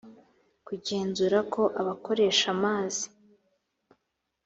kugenzura ko abakoresha amazi